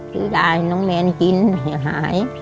ชื่อกินหนังแหม้งหาย